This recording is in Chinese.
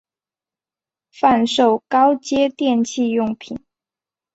贩售高阶电器用品